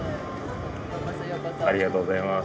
ありがとうございます。